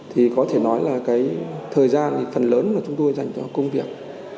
thì có thể nói là cái thời gian thì phần lớn mà chúng tôi dành cho công việc